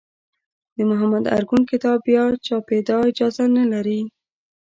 د محمد ارکون کتاب بیا چاپېدا اجازه نه لري.